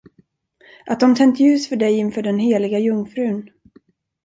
Att de tänt ljus för dig inför den heliga jungfrun.